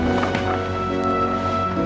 deeper konek bisa pegangival